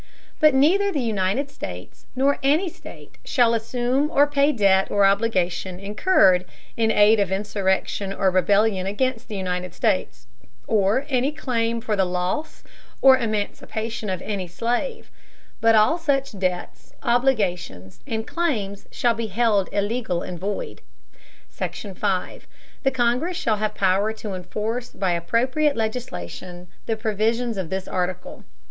But neither the United States nor any State shall assume or pay any debt or obligation incurred in aid of insurrection or rebellion against the United States, or any claim for the loss or emancipation of any slave; but all such debts, obligations and claims shall be held illegal and void. SECTION 5. The Congress shall have power to enforce, by appropriate legislation, the provisions of this article.